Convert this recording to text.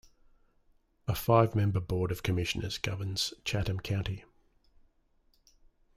A five-member Board of Commissioners governs Chatham County.